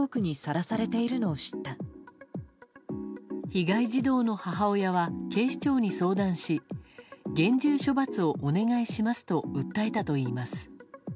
被害児童の母親は警視庁に相談し厳重処罰をお願いしますと訴えたといいます。